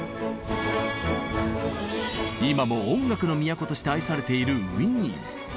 今も音楽の都として愛されているウィーン。